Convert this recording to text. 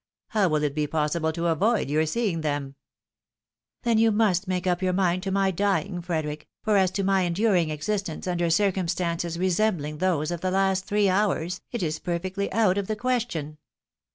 How will it be possible to avoid your seeing them ?"" Then you must make up your mind to my dying, Frederic, for as to my enduring existence under circumstances resembling those of the last three hours, it is perfectly out of the question."